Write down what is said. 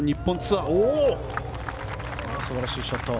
素晴らしいショット。